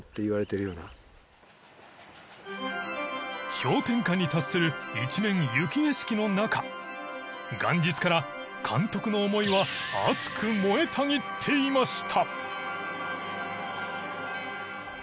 氷点下に達する一面雪景色の中元日から監督の思いは熱く燃えたぎっていました。